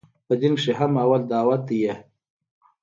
په دين کښې هم اول دعوت ديه.